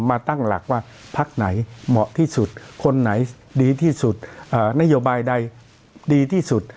มาตั้งหลักว่าพักไหนเหมาะที่สุดคนไหนดีที่สุดนโยบายใดดีที่สุด